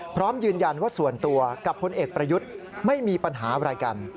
พร้อมยืนยันว่าส่วนตัวกับพลเอกประยุทธ์ไม่มีปัญหาอะไรกัน